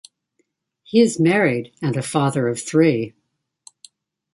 He is married and a father of three.